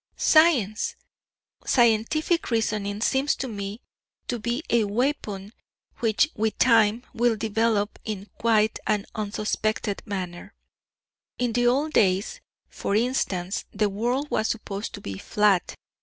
Science! Scientific reasoning seems to me to be a weapon which with time will develop in quite an unsuspected manner; in the old days, for instance, the world was supposed to be flat.